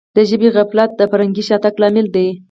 د ژبي غفلت د فرهنګي شاتګ لامل دی.